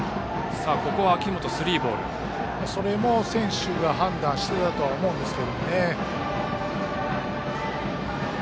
それも選手が判断してだと思うんですけどね。